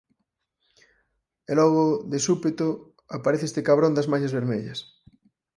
E logo, de súpeto, aparece este cabrón das mallas vermellas